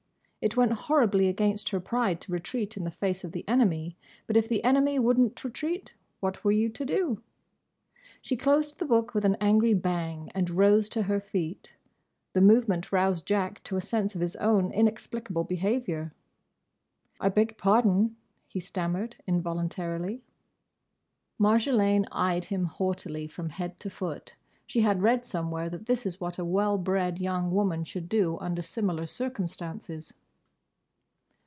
It went horribly against her pride to retreat in the face of the enemy, but if the enemy would n't retreat, what were you to do? She closed the book with an angry bang and rose to her feet. The movement roused Jack to a sense of his own inexplicable behaviour. "I beg your pardon!" he stammered, involuntarily. Marjolaine eyed him haughtily from head to foot. She had read somewhere that this is what a well bred young woman should do under similar circumstances.